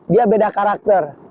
dia beda karakter